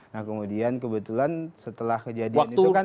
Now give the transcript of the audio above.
nah kemudian kebetulan setelah kejadian itu kan